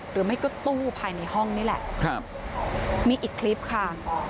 หรือไม่ก็ตู้ภายในห้องนี่แหละครับมีอีกคลิปค่ะ